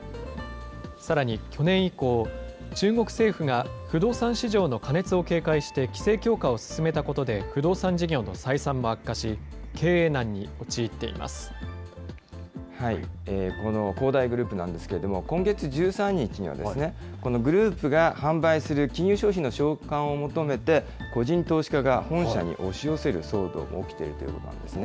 さらに去年以降、中国政府が不動産市場の過熱を警戒して、規制強化を進めたことで不動産事業の採算も悪化し、経営難に陥っこの恒大グループなんですけれども、今月１３日には、このグループが販売する金融商品の償還を求めて、個人投資家が本社に押し寄せる騒動も起きているということなんですね。